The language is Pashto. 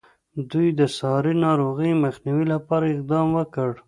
دوی د ساري ناروغیو مخنیوي لپاره اقدام وکړ.